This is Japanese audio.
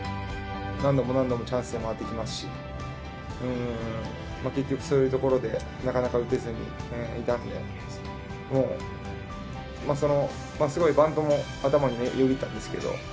何度も何度もチャンスで回ってきますし、結局そういうところでなかなか打てずにいたんで、もう、すごいバントも頭をよぎったんですけど。